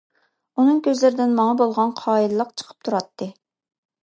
ئۇنىڭ كۆزلىرىدىن ماڭا بولغان قايىللىق چىقىپ تۇراتتى.